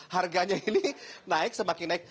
harganya ini naik semakin naik